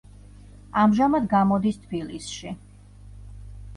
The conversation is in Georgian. ამჟამად გამოდის თბილისში.